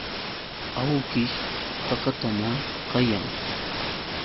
Awkish hakatanakayan.